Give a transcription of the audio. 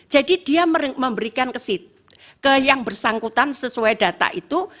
jadi dia memberikan ke yang bersangkutan sesuai data itu